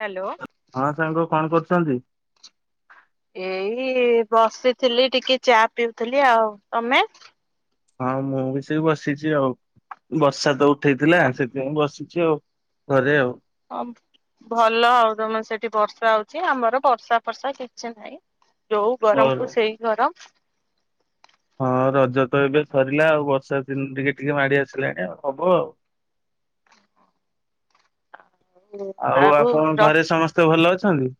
Hello. ହଁ ସାଙ୍ଗ କଣ କରୁଛନ୍ତି, ଏଇ ବସିଥିଲି ଟିକେ ଚା ପିଉଥିଲି ଆଉ ତମେ ହଁ ମୁଁ ବି ସେ ବସିଛି ଆଉ ବର୍ଷା ତ ଉଠେଇଥିଲା ସେଥିପାଇଁ ବସିଛି ଆଉ ଘରେ ଆଉ ହଁ ଭଲ ଆଉ ତମେ ସେଠି ବର୍ଷା ହଉଛି ଆମର ବର୍ଷା ଫର୍ଷା କିଛି ନାହିଁ ଯୋଉ ଘର ଗରମକୁୁ ସେଇ ଗରମ ହଁ ରଜ ତ ଏବେ ସରିଲା ଆଉ ବର୍ଷା ଦିନ ଟିକେ ଟିକେ ମାଡି ଆସିଲାଣି ଆଉ ହବ ଆଉ ଆଉ ଆପଣଙ୍କ ଘରେ ସମସ୍ତେ ଭଲ ଅଛି, ସାଙ୍ଗେ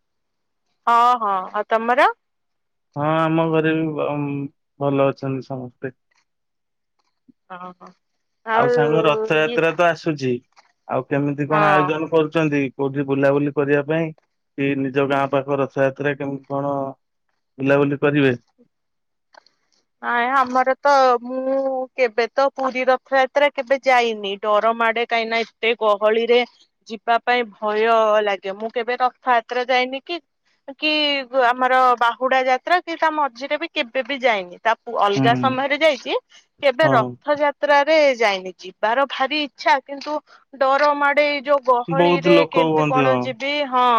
ହଁ ହଁ ଆଉ ତମର ହଁ ଆମ ଘରେ ବି ଭଲ ଅଛନ୍ତି ସମସ୍ତେ ହଁ ହୋ ଆଉ ସାଙ୍ଗ ରଥଯାତ୍ରା ତ ଆସୁଛି, ଆଉ କେମିତି କଣ ହଁ ଆୟୋଜନ କରୁଛନ୍ତି। କୋଉଠି ବୁଲାବୁଲି କରିବା ପାଇଁ କି ନିଜ ଗାଁ ପାଖ ରଥଯାତ୍ରା କେମିତି କଣ ବୁଲାବୁଲି କରିବେ କୋ ନାଇଁ ଆମର ତ ମୁଁ କେବେ ତ ପୁରୀ ରଥଯାତ୍ରା କେବେ ଯାଇନି। ଡର ମାଡେ କାହିଁକି ନା ଏତେ ଗହଳିରେ ଯିବା ପାଇଁ ଭୟ ଲାଗେ ମୁଁ କେବେ ରଥଯାତ୍ରା ଯାଇନି କି କି ଆମର ବାହୁଡା ଯାତ୍ରା କି ତା ମଝିରେ ବି କେବେ ବି ଯାଇନି। ତା ହୁଁ ଅଲଗା ସମୟରେ ଯାଇଛି କେବେ ହଁ। ରଥଯାତ୍ରା ଯାଇନି ଯିବାର ଭାରି ଇଚ୍ଛା କିନ୍ତୁ ଡର ମାଡେ। ଯୋଉ ବହୁତ ଗହଳିରେ ଲୋକ କେମିତି ହୁଅନ୍ତି କଣ ହଁ ଯିବି ହଁ।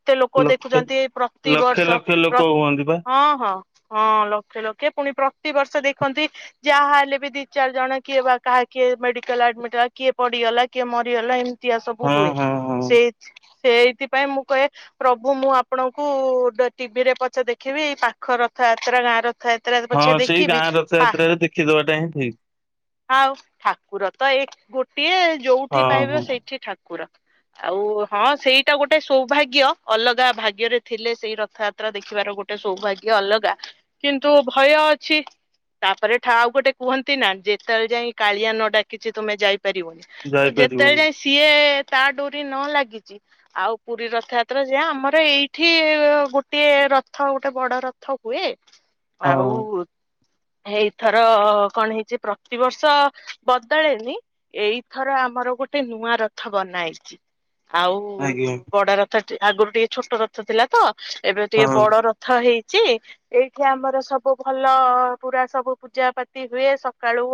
ଏତେ ଲୋକ ଲକ୍ଷେ ଦେଖୁଛନ୍ତି ଏ ଲକ୍ଷେ ପ୍ରତିବର୍ଷ ଲକ୍ଷେ ଲୋକ ହୁଅନ୍ତି ବା ହଁ ହଁ ହଁ ଲକ୍ଷ ଲକ୍ଷ ପ୍ରତିିବର୍ଷ ଦେଖନ୍ତି ଯାହା ହେଲେ ବି ଦି ଚାରି ଜଣ କିଏ ବା କାହା କିଏ ମେଡିକାଲ ଆଡମିଟ୍ଲା କିଏ ପଡିଗଲା କିଏ ମରିଗଲା ଏମ୍ ଏମିତିଆ ସବୁ ହଁ ହୁଏ ହଁ ହଁ। ସେଇ ସେଇଥିପାଇଁ ମୁଁ କହେ ପ୍ରଭୁ ମୁଁ ଆପଣଙ୍କୁ ଟିଭିରେ ପଛେ ଦେଖିବି ଏଇ ପାଖ ରଥଯାତ୍ରା ଗାଁ ର ରଥଯାତ୍ରା ପଛେ ହଁ ସେଇ ଦେଖିବି ଗାଁ ହା ରଥଯାତ୍ରାରେ ଦେଖିଦବାଟା ହିଁ ଠିକ [inaudible] ଆଉ ଠାକୁର ତ ଏକ ଗୋଟେ। ସିଏ ଯୋଉଠି ହଁ ପାଇବେ ହଁ। ସେଇଠି ଠାକୁର। ଆଉ ହଁ ସେଇଟା ଗୋଟେ ସୌଭାଗ୍ୟ ଅଲଗା ଭାଗ୍ୟରେ ଥିଲେ ସେଇ ରଥଯାତ୍ରା ଦେଖିବାର ଗୋଟେ ସୌଭାଗ୍ୟ ଅଲଗା। କିନ୍ତୁ ଭୟ ଅଛି ତାପରେ ଠ ଆଉ ଗୋଟେ କୁହନ୍ତି ନା ଯେତେବେଳେ ଯାଇ କାଳିଆ ନ ଡାକିଛି ତୁମେ ଯାଇ ଯାଇପାରିବନି ତ ଯେତେବେ ଯାଇପାରିବନି ଯାଏ ସିଏ ତା ଡୋରି ନ ଲାଗିଛି ଆଉ ପୁରୀ ରଥଯାତ୍ରା ଯ ଆମର ଏଇଠି ଗୋଟେ ରଥ ଗୋଟେ ବଡ ରଥ ହୁଏ। ଆଉ। ହଁ ଏଇଥର କଣ ହେଇଛି ପ୍ରତିବର୍ଷ ବଦଳେନି ଏଇଥର ଆମର ଗୋଟେ ନୂଆ ରଥ ବନା ହେଇଛି। ଆଉ ଆଜ୍ଞା ବଡ ରଥ ଆଗରୁ ଟିକେ ଛୋଟ ରଥ ଥିଲା ତ। ଏବେ ଟିକେ ହଁ ବଡ ରଥ ହେଇ ଯେ ଏଇଠି ଆମର ସବୁ ଭଲ ପୁରା ସବୁ ପୂଜା ପାତି ହୁଏ। ସକାଳୁ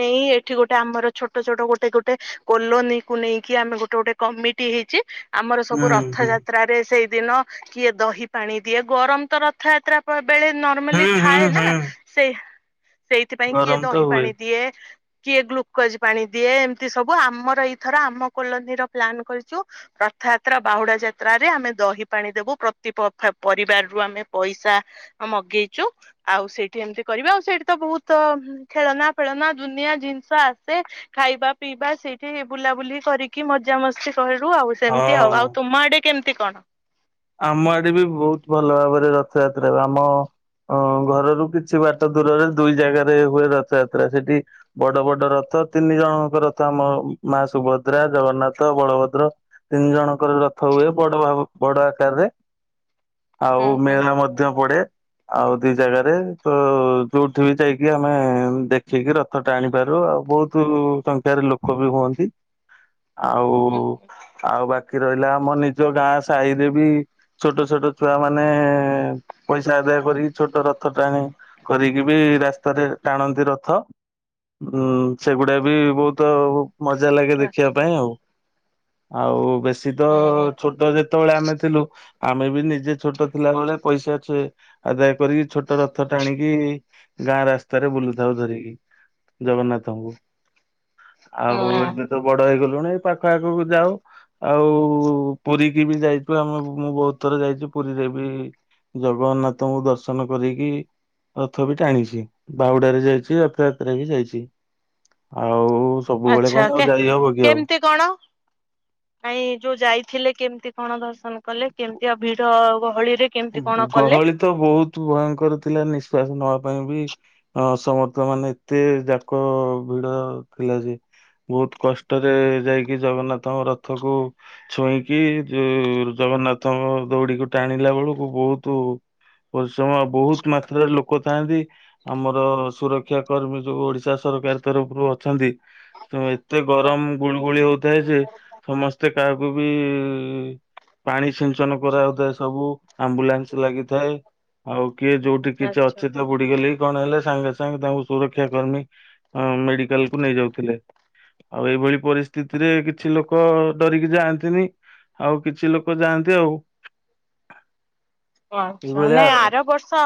ନେଇ ଏଠି ଗୋଟେ ଆମର ଛୋଟ ଛୋଟ ଗୋଟେ ଗୋଟେ କଲୋନୀ କୁ ନେଇକି ଆମେ ଗୋଟେ ଗୋଟେ କମିଟି ହେଇଛି। ଆମର ହୁଁ ସବୁ ହୁଁ। ରଥଯାତ୍ରାରେ ସେଇ ଦିନ କିଏ ଦହି ପାଣି ଦିଏ ଗରମ ତ ରଥଯାତ୍ରା ବେଳେ ନର୍ମାଲି ହୁଁ ହୁଁ ଥାଏ ନା ହୁଁ ସେଇ ସେଇଥିପାଇଁ କିଏ ଗରମ ତ ଦହି ହୁଏ ପାଣି ଦିଏ। କିଏ ଗ୍ଲୁକୋଜ ପାଣି ଦିଏ ଏମିତି ସବୁ ଆମର ଏଇଥର ଆମ କଲୋନୀର ପ୍ଲାନ୍ କରିଛୁ ରଥଯାତ୍ରା ବାହୁଡା ଯାତ୍ରରେ ଆମେ ଦହି ପାଣି ଦେବୁ। ପ୍ରତି ପରିବାରରୁ ଆମେ ପଇସା ମଗେଇଚୁ ଆଉ ସେଇଠି ଏମିତି କରିବା ଆଉ ସେଇଠି ତ ବହୁତ ଖେଳନା ଫେଳନା ଦୁନିଆ ଜିନିଷ ଆସେ ଖାଇବା ପିଇବା ସେଇଠି ବୁଲାବୁଲି କରିକି ମଜା ମସ୍ତି କହିଲୁ ଆଉ ସେମିତି ଆଉ ହଁ। ଆଉ ତୁମ ଆଡେ କେମିତି କଣ? ଆମ ଆଡେ ବି ବହୁତ ଭଲ ଭାବରେ ରଥଯାତ୍ରା ଆମ ଅ ଘରରୁ କିଛି ବାଟ ଦୂରରେ ଦୁଇ ଜାଗାରେ ହୁଏ ରଥଯାତ୍ରା। ସେଠି ବଡ ବଡ ରଥ ତିନି ଜଣଙ୍କ ରଥ ଆମ ମା ସୁଭଦ୍ରା ଜଗନ୍ନାଥ ବଳଭଦ୍ର ତିନି ଜଣଙ୍କର ରଥ ହୁଏ। ବଡ ଭ ବଡ ଆକାରରେ ହୁଁ ଆଉ ହୁଁ ମେଳା ମଧ୍ୟ ପଡେ। ଆଉ ଦି ଜାଗାରେ ତ ଯୋଉଠ ବି ଯାଇକି ଆମେ ଦେଖିକି ରଥ ଟା ଆଣିପାରୁ ଆଉ ବହୁତ ସଂଖ୍ୟାରେ ଲୋକ ବି ହୁଅନ୍ତି। ଆଉ ଆଉ ବା ି ରହିଲା ଆମ ନିଜ ଗାଁ ସାହି [inaudible] ବି ଛୋଟ ଛୋଟ ଛୁଆ ମାନେ ପଇସା ଆଦାୟ କରିକି ଛୋଟ ରଥ ଟାଣି କରିକି ବି ରାସ୍ତାରେ ଟାଣନ୍ତି ରଥ ଉ ସେଗୁଡା ବି ବହୁତ ମଜା ଲାଗେ ହୁଁ ଦେଖିବା ପାଇଁ ଆଉ ଆଉ ବେଶ ଶୀତ ହୁଁ ଛୋଟ ଯେ ଯେତେବେଳେ ଆମେ ଥିଲୁ ଆମେ ବି ନିଜେ ଛୋଟ ଥିଲା ବଳେ ପଇସା ଆଦାୟ କରିକି ଛୋଟ ରଥ ଟାଣିକି ଗାଁ ରାସ୍ତାରେ ବୁଲୁଥାଉ ଧରିକି ଜଗନ୍ନାଥଙ୍କୁ ଆଉ ହୁଁ ଏବେ ତ ବଡ ହେଇଗଲା ୁଣେଇ ପାଖ ଆଖକୁ ଯାଉ ଆଉ ପୁରୀ [inaudible] ବି ଯାଇଛୁ ଆମେ ମୁଁ ବହୁତ ଥର ଯାଇଛି ପୁରୀରେ ବି ଜଗନ୍ନାଥଙ୍କୁ ଦର୍ଶନ କରିକି ରଥ ବି ଟାଣିଛି ବାଉଡାରେରେ ଯାଇଛି ରଥଯାତ୍ରାରେ ବି ଯାଇଛି ଆଉ ସବୁବେଳେ ଆଛା କଣ ଆଉ ଯାଇ ହବ କି ଆଉ କେମିତି କଣ କାଇଁ ଯୋଉ ଯାଇଥିଲେ କେମିତି କଣ ଦର୍ଶନ କଲେ କେମିତି ଆଉ ଭିଡ ଗହଳି ଗହଳି ତ ବହୁତ ଭୟଙ୍କର ଥିଲା ନିଶ ବିଶ୍ଵାସ ନବା ପାଇଁ ବି ଅ ସମସ୍ତ ମାନେ ଏତେ ଯାକ ଭିଡ ଥିଲା ଯେ ବହୁତ କଷ୍ଟରେ ଯାଇକି ଜଗନ୍ନାଥଙ୍କ ରଥକୁ ଛୁଇଁକି ଯଉ ଜଗନ୍ନାଥଙ୍କ ଦଉଡିକୁ ଟାଣିଲା ବେଳକୁ ବହୁତ ପରିଶ୍ରମ ବହୁତ ମାତ୍ରାରେ ଲୋକ ଥାଆନ୍ତି ଆମର ସୁରକ୍ଷା କର୍ମୀ ଯୋଉ ଓଡିଶା ସରକାର ତରଫରୁ ଅଛନ୍ତି ତ େ ଗରମ ଗୁଳ ଗୁଳି ହଉ [inaudible] ଥାଏ ଯେ ସମସ୍ତେ କାହାକୁ ବି ପାଣି ସିଞ୍ଚନ କରାହଉଥାଏ ସବୁ ଆମ୍ବୁଲାନ୍ସ ଲାଗିଥାଏ ଆଉ କିଏ ଯୋଉଠି କିଛି ଆଚ୍ଛା। ଅଛି ତ ଗୁଡିକ ଲି କଣ ହେଲେ ସାଙ୍ଗ ସାଙ୍ଗେ ସାଙ୍ଗେ ତାଙ୍କୁ ସୁରକ୍ଷା କର୍ମୀ ମେଡିକାଲ କୁ ନେଇଯାଉଥିଲେ ଆଉ ଏଇଭଳି ପରିସ୍ଥିତିରେ କିଛି ଲୋକ ଡରିକି ଯାଆନ୍ତିନି ଆଉ କିଛି ଲୋକ ଯାଆନ୍ତି ଆଉ ହଁ ଆଚ୍ଛା ଏଇଭଳିଆ ନାଇଁ ଆଉ ଆର ବର୍ଷ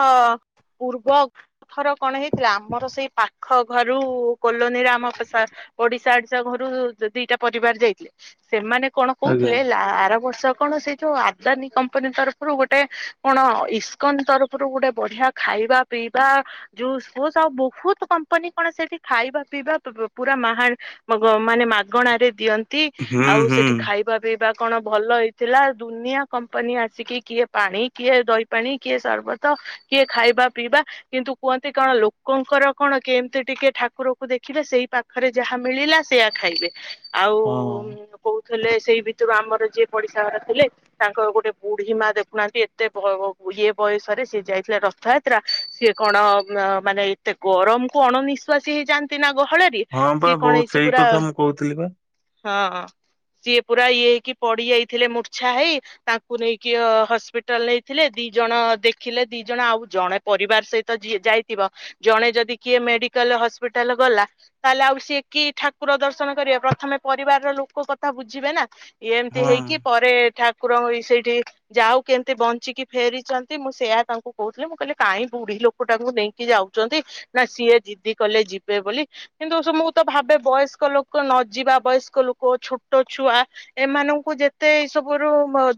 ପୂର୍ବ ଘ ଫରଅପ କଣ ହେଇଥିଲା ଆମର ସେଇ ପା ପାଖ ଘରୁ କୋଲୋନୀର ଆମ ଓଡିଶା ଆଡିଶା ଘରୁ ଦିଟା ପରିବାର ଯାଇଥିଲେ ସେମାନେ କଣ ଆଜ୍ଞା କହୁଥିଲେ ଆର ବର୍ଷ କଣ ସେ ଯୋଉ ଆଦାନୀ କମ୍ପାନୀ ତରଫରୁ ଗୋଟେ କଣ ଇସ୍କନ ତରଫରୁ ଗୋଟେ ବଢିଆ ଖାଇବା ପିଇବା ଯଉ ହ ଆଉ ବହୁତ କମ୍ପାନୀ କଣ ସେଠି ଖାଇବା ପିଇବା ପୁରା ମହା ମାନେ ମାଗଣାରେ ଦିଅନ୍ତି। ଵି ହୁଁ ଆଉ ସେଠି ହୁଁ। ଖାଇବା ପିଇବା କଣ ଭଲ ହେଇଥିଲା ଦୁନିଆ କମ୍ପାନୀ ଆସିକି କିଏ ପାଣି କିଏ ଦହିପାଣି କିଏ ସରବତ କିଏ ଖାଇବା ପିଇବା କିନ୍ତୁ କୁହନ୍ତି କଣ ଲୋକଙ୍କର କଣ କେମିତି ଟିକେ ଠାକୁରକୁ ଦେଖିବେ ସେଇ ପାଖରେ ଯାହା ମିଳିଲା ସେଆ ଖାଇବେ। ଆଉ ହଁ। କହୁଥିଲେ ସେଇ ଭିତରୁ ଆମର ଯିଏ ପଡିଶା ଘର ଥିଲେ ତାଙ୍କ ଗୋଟେ ବୁଢୀ ମା ଦେଖୁନାହାନ୍ତି ଏତେ ଇଏ ବୟସରେ ସିଏ ଯାଇଥିଲା ରଥଯାତ୍ରା ସିଏ କଣ ମାନେ ଏତେ ଗରମ କୁ ଅଣନିଶ୍ଵାସୀ ହେଇଯାଆନ୍ତି ନା ଗହଳରେ ହଁ ବା ସିଏ କଣ ବୋତ ହେଇଛି ସେଇ ପୁରା କଥା ମୁଁ କହୁଥିଲି ବା ହଁ ସିଏ ପୁରା ଇଏ ହେଇକି ପଡି ଯାଇଥିଲେ ମୂର୍ଚଛା ହେଇ ତାଙ୍କୁ ନେଇକି ହସ୍ପିଟା ହଟାଲ ନେଇଥିଲେ ଦି ଜଣ ଦେଖିଲେ ଦି ଜଣ ଆଉ ଜଣେ ପରିବାର ସହିତଏ ଯାଇଥିବ ଜଣେ ଯଦି କିଏ ମେଡିକାଲ ହସ୍ପିଟାଲ ଗଲା ତାହେଲେ ଆଉ ସିଏ କି ଠାକୁର ଦର୍ଶନ କରିବା ପ୍ରଥମେ ପରିବାରର ଲୋକ କଥା ବୁଝିବେ ନା ଏମିତି ହଁ। ହେଇକି ପରେ ଠା କୁକୁରଙ୍କ ସେଇଠି ଯାଉ କେମିତି ବଞ୍ଚିକି ଫେରିଛନ୍ତି ମୁଁ ସେୟ ତାଙ୍କୁ କହୁଥିଲି ମୁଁ କହିଲି କାହିଁ ବୁଢୀ ଲୋକ ଟାଙ୍କୁ ନେଇକି ଯାଉଛନ୍ତି ନା ସିଏ ଦିଦି କଲେ ଯିବେ ବୋଲି କିନ୍ତୁ ମୁଁ ତ ଭାବେ ବୟସ୍କ ଲୋକ ନ ଯିବା ବୟସ୍କ ଲୋକ ଛୋଟ ଛୁଆ ଏମାନଙ୍କୁ ଯେତେ ଏଇ ସବୁ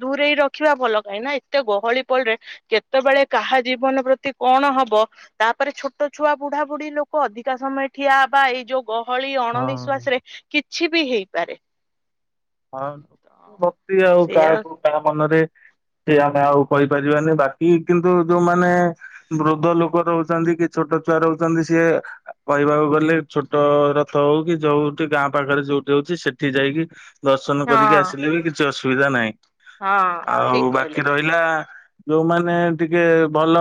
ଦୂରେଇ ରଖିବା ଭଲ। କାହିଁକି ନା ଏତେ ଗହଳି ପଡରେ କେତେବେଳେ କାହା ଜୀବନ ପ୍ରତି କଣ ହବ ତାପରେ ଛୋଟ ଛୁଆ ବୁଢା ବୁଢୀ ଲୋକ ଅଧିକା ସମୟ ଠିଆ ବା ଏଇ ଯୋଉ ଗହଳି ହଁ ଅଣନିଶ୍ଵାସ ରେ କିଛି କିଛି ବି ହେଇପାରେ ହଁ ଭକ୍ତି ଆଉ ସେଇଆ କାହାକୁ କାହା ମନରେ ସେ ଆମେ ଆଉ କହିପାରିବାନି ବାକି କିନ୍ତୁ ଯୋଉମାନେ ବୃଦ୍ଧ ଲୋକ ରହୁଛନ୍ତି କି ଛୋଟ ଛୁଆ ରହୁଛନ୍ତି ସିଏ କହିବାକୁ ଗଲେ ଛୋଟ ରଥ ହଉ କି ଯୋଉଠି ଗାଁ ପାଖରେ ଯୋଉଠି ହଉଛି ସେଠି ଯାଇକି ଦର୍ଶନ କରିକି ହଁ ଆସିଲେ ବି କିଛି ଅସୁ ସୁବିଧା ନାହିଁ ହଁ ଠିକ ଆଉ ବାକି କହିଲେ ରହିଲା ଯୋଉମାନେ ଟିକେ ଭଲ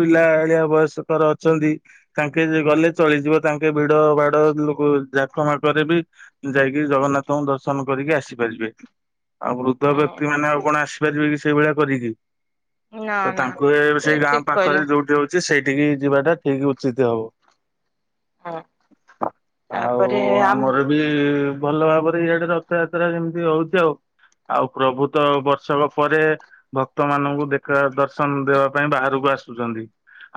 ପିଲା ଆଳିଆ ବୟସକର ଅଛନ୍ତି ତାଙ୍କେ ଗଲେ ଚଳିଯିବ ତାଙ୍କେ ଭିଡ ବାଡ ଲୋକ ଜାକମାକରେ ବି ଯାଇକି ଜଗନ୍ନାଥଙ୍କୁ ଦର୍ଶ ଦର୍ଶନ କରିକି ଆସିପାରିବେ ଆଉ ବୃଦ୍ଧ ବ୍ୟକ୍ତି ହୁଁ ମାନେ ଆଉ କଣ ଆସିବେ। ପାରିବ କି ସେଇଭଳିଆ କରିକି ନା ତ ନା ତାଙ୍କୁ ଏ ସେଇ ସେ ଗାଁ ଠିକ ପାଖରେ କହିଲେ ଯୋଉଠି ହଉଛି ସେଇଠି ସେଠିକି ଯିବା ଟା ଠିକ ଉଚିତ ହବ। ହଁ ଆଉ ତାପରେ ଆମ ଆମର ବି ଭଲ ଭାବରେ ଇ ରଥଯାତ୍ରା କେମିତି ହଉଛି ଆଉ ଆଉ ପ୍ରଭୁତ ବର୍ଷକ ପରେ ଭକ୍ତ ମାନଙ୍କୁ ଦେଖା ଦର୍ଶନ ଦେବା ପାଇଁ ବାହାରକୁ ଆସୁଛନ୍ତି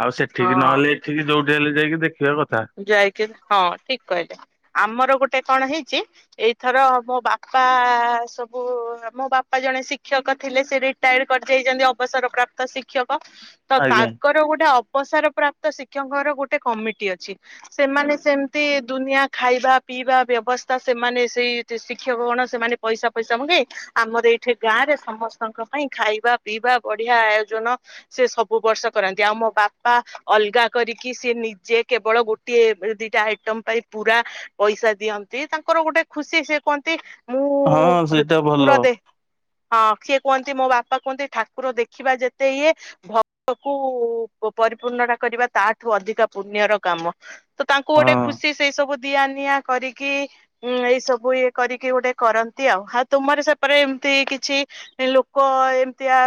ଆଉ ସେଠିକି ହଁ ନହେଲେ ଏଠିକି ଯୋଉଠି ହେଲେ ଯାଇକି ଦେଖିବା କଥା ଯାଇକି ହଁ ଠିକ କହିଲେ ଆମର ଗୋଟେ କଣ ହେଇଛି ଏଇଥର ମୋ ବାପା ସବୁ ମୋ ବାପା ଜଣେ ଶିକ୍ଷକ ଥିଲେ ସେ ରିଟାୟାର୍ଡ କରି ଯାଇଛନ୍ତି ଅବସର ପ୍ର୍ରାପ୍ତ ଶିକ୍ଷକ ତ ଆଜ୍ଞା। ତାଙ୍କର ଗୋଟେ ଅବସର ପ୍ରାପ୍ତ ଶିକ୍ଷା ଶିକ୍ଷକଙ୍କର ଗୋଟେ କମିଟି ଅଛି ସେମାନେ ସେମିତି ଦୁନିଆ ଖାଇବା ପିଇବା ବ୍ୟବସ୍ଥା ସେମାନେ ସେଇ ଶିକ୍ଷକ ଗଣ ସେମାନେ ପଇସା ପଇସା ମଗେଇ ଆମର ଏଇଠି ଗାଁ ରେ ସମସ୍ତଙ୍କ ପାଇଁ ଖାଇବା ପିଇବା ବଢିଆ ଆୟୋଜନ ସେ ସବୁ ବର୍ଷ କରନ୍ତି ଆଉ ମୋ ବାପା ଅଲଗା କରିକି ସେ ନିଜେ କେବଳ ଗୋେ ଗୋଟିଏ ଦିଟା ଆଇଟମ ପାଇଁ ପୁରା ପଇସା ଦିଅନ୍ତି ତାଙ୍କର ଗୋଟେ ଖୁସି ସେ କହନ୍ତି ହଁ ମୁଁ ସେଇଟା ଭଲ ପୁର ଦେ ହଁ କିିଏ କୁହନ୍ତି ମୋ ବାପା ବାପା କୁହନ୍ତି ଠାକୁର ଦେଖିବା ଯେତେ ଇଏ ଭକ୍ତକୁ ପରିପୂର୍ଣ୍ଣ ଟା କରିବା ତା ଠୁ ଅଧିକ ପୁଣ୍ୟର କାମ ତ ତାଙ୍କୁ ହଁ। ଗୋଟେ ଖୁସି ସେଇ ସବୁ ଦିଆ ନିଆ କରିକି ଏଇ ସବୁ ଇଏ କରିକି ଗୋଟେ କରନ୍ତି ଆଉ ଆଉ ତୁମର ସେପଟ ଏମତି କିଛି ଲୋକ ଏମିତିଆ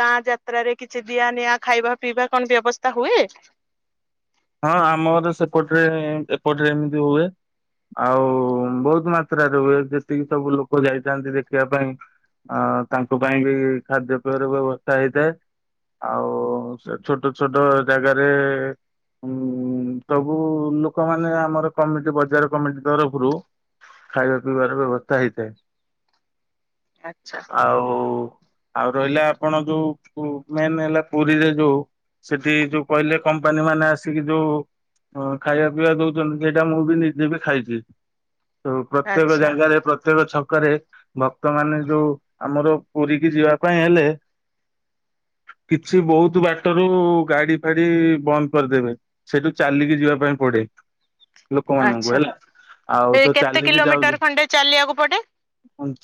ଗାଁ ଯାତ୍ରାରେ କିଛି ଦିଆ ନିଆ ଖାଇବା ପିଇବା କଣ ବ୍ୟବସ୍ଥା ହୁଏ ହଁ ଆମର ସେପଟରେ ଏପଟରେ ଏମିତି ହୁଏ ଆଉ ବହୁତ ମାତ୍ରାରେ ହୁଏ ଯେତିକି ସବୁ ଲୋକ ଯାଇଥାନ୍ତି ଦେଖିବା ପାଇଁ ଅ ତାଙ୍କ ପାଇଁ ବି ଖାଦ୍ୟ ପେୟର ବ୍ୟବସ୍ଥା ହେଇଥାଏ ଆଉ ଛୋଟ ଛୋଟ ଜାଗାରେ ହୁଁ ସବୁ ଲୋକମାନେ ଆମର କମିଟି ବଜାର କମିଟି ତରଫରୁ ଖାଇବା ପିଇବାର ବ୍ୟବସ୍ଥା ହେଇଥାଏ ଆଚ୍ଛା। ଆଉ ଆଉ ରହିଲା ଆପଣ ଯୋଉଁ ମେନ୍ ହେଲା ପୁରୀରେ ଯୋଉଁ ସେଠି ଯୋଉ କହିଲେ କମ୍ପାନୀ ମାନେ ଲୋକମାନେ ଆସିକି ଯୋଉ ଖାଇବା ପିଇବା ଦଉଛନ୍ତି ସେଇଟା ମୁଁ ବି ନିଜେ ବି ଖାଇଛି। ଆ ପ୍ରତ୍ୟେକ ଆଚ୍ଛା ଜାଗାରେ ପ୍ରତ୍ୟେକ ଛକ କରେ ଭକ୍ତ ମାନ ଯୋଉ ଆମର ପୁରୀ କିି ଯିବା ପାଇଁ ହେଲେ କିଛି ବହୁତ ବାଟରୁ ଗାଡି ଫାଡି ବନ୍ଦ କରିଦେବେ ସେଠୁ ଚାଲିକି ଯିବା ପାଇଁ ପଡେ। ଲୋକମାନଙ୍କୁ ଆଚ୍ଛା ହେଲା ଆଉ ସେ ତ କେତେ ଚାଲିକି ଯାଉଛ କିଲୋମିଟର ଖଣ୍ଡେ ଚାଲିବାକୁ ପଡେ?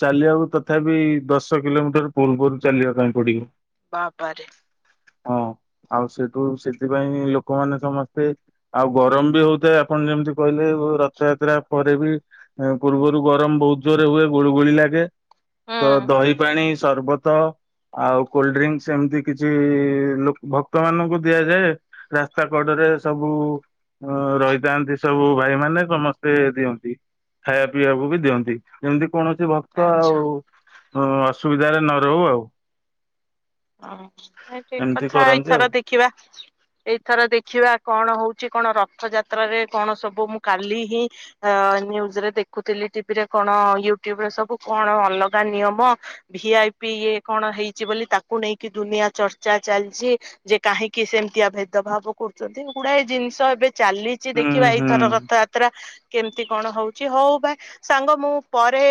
ଚାଲିବାକୁ ତଥାପି ଦଶ ଦଶ କିଲୋମିଟର ପୂର୍ବରୁ ଚାଲିବା ପାଇଁ ପଡିବ ବାପାରେ ହଁ ଆଉ ସେଠୁ ସେଥିପାଇଁ ଲୋକ ଲୋକମାନେ ସମସ୍ତେ ଆଉ ଗରମ ବି ହଉଥାଏ ଆପଣ ଯେମିତି କହିଲେ ରଥଯାତ୍ରା ପରେ ବି ପୂର୍ବରୁ ଗରମ ବହୁତ ଜୋରରେ ହୁଏ ଗୁଳୁଗୁଳି ଲାଗେ ହୁଁ ତ ଦହି ପାଣି ସରବତ ଆଉ କୋଲଡ୍ରେକ୍ସ ଏମିତି କିଛି ଭକ୍ତ ମାନଙ୍କୁ ଦିଆଯାଏ। ରାସ୍ତା କଡରେ ସବୁ ରହିଥାନ୍ତି ସବୁ ଭାଇ ମାନେ ସମସ୍ତେ ଦିଅନ୍ତି ଖାଇବା ପିଇବାକୁ ବି ଦିଅନ୍ତି ଯେମିତି କୌଣସି ଭକ୍ତ ଆଉ ଆଚ୍ଛା ହଁ ଅସୁବିଧାରେ ନ ରହୁ ଆଉ। ହ ଠିକ ଏମିତି କଥା କରନ୍ତି ଆଉ ଏଇଥର ଦେଖିବା ଏ ଥର ଦେଖିବା କଣ ହଉଛି କଣ ରଥଯାତ୍ର ରେ କଣ ସବୁ ମୁଁ କାଲି ହିଁ ନ୍ୟୁଜରେ ଦେଖୁଥିଲି ଟିଭିରେ କଣ ୟୁଟ୍ୟୁବ ରେ ସବୁ କଣ ଅଲଗା ନିୟମ ଭି ଆଇ ପି ଇଏ କଣ ହେଇଛି ବୋଲି ତାକୁ ନେଇକି ଦୁନିଆ ଚର୍ଚ୍ଚା ଚାଲିଛି ଯେ କାହିଁକି ସେମିତିଆ ଭେଦଭାବ କରୁଛନ୍ତି ଗୁଡାଏ ଜିନିଷ ଏବେ ଚାଲିଛି ହୁଁ ଦେଖିବା ହୁଁ ଏଇଥର କଥା କେମତି କଣ ହଉଛି ହଉ ଭାଇ ସାଙ୍ଗ ମୁଁ ପରେ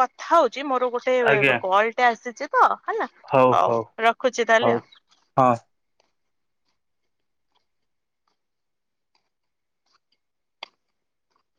କଥା ହଉଛି ମୋର ଗୋଟେ ଆଜ୍ଞା କଲ୍ ଟେ ଆସିଛି ତ ହେଲା ହଉ ରଖୁଛି ତାହେଲେ ହଉ ଆଉ। ହଁ।